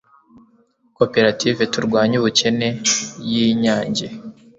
koperative turwanye ubukene yi nyange